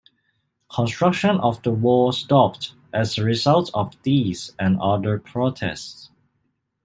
Construction of the wall stopped as a result of this and other protests.